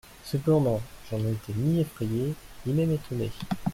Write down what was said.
Cependant, je n'en étais ni effrayé ni même étonné.